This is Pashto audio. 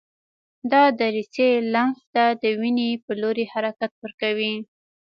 دا دریڅې لمف ته د وینې په لوري حرکت ورکوي.